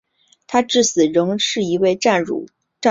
他至死仍是一位战俘。